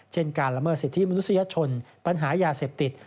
เช่นการละเมิดสิทธิมนุษยชนปัญหายาเสพติด